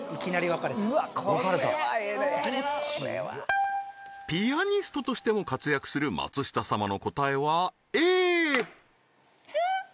これはええでピアニストとしても活躍する松下様の答えはＡひゃ！